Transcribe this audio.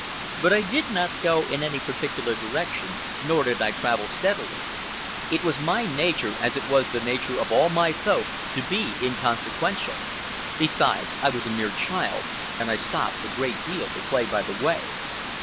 But I did not go in any particular direction, nor did I travel steadily. It was my nature, as it was the nature of all my folk, to be inconsequential. Besides, I was a mere child, and I stopped a great deal to play by the way.